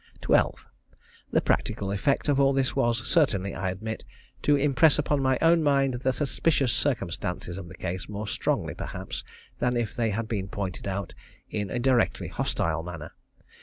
12. The practical effect of all this was certainly, I admit, to impress upon my own mind the suspicious circumstances of the case more strongly perhaps than if they had been pointed out in a directly hostile manner.